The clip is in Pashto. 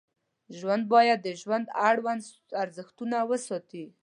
ژوند باید د ژوند اړوند ارزښتونه وساتي.